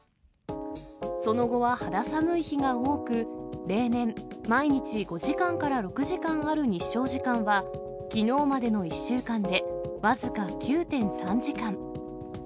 その後は肌寒い日が多く、例年、毎日５時間から６時間ある日照時間は、きのうまでの１週間で僅か９．３時間。